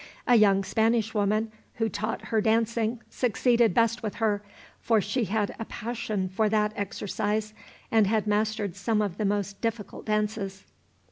A young Spanish woman who taught her dancing succeeded best with her, for she had a passion for that exercise, and had mastered some of the most difficult dances.